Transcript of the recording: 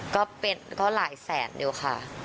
ก็เป็นก็หลายแสนเดียวค่ะ